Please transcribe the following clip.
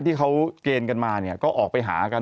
ที่เขาเกณฑ์กันมาเนี่ยก็ออกไปหากัน